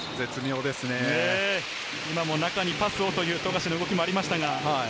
今も中にパスをという富樫の動きもありましたが。